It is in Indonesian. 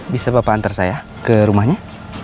bisa bapak antar saya ke rumahnya